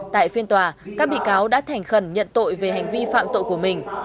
tại phiên tòa các bị cáo đã thành khẩn nhận tội về hành vi phạm tội của mình